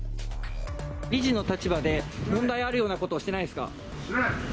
理事の立場で問題あるようなことをしてないですか？